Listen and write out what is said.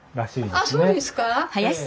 あっそうですか。